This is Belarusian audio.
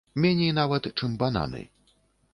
Меней нават, чым бананы.